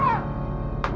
aku sangat kecewa